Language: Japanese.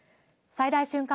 最大瞬間